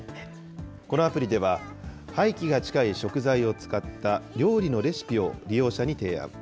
このアプリでは、廃棄が近い食材を使った料理のレシピを利用者に提案。